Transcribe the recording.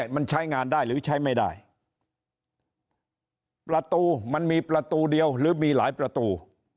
มันใช้งานได้หรือใช้ไม่ได้ประตูมันมีประตูเดียวหรือมีหลายประตู